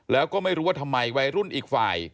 แล้วก็ไม่รู้ว่าทำไมวัยรุ่นอีกฝ่าย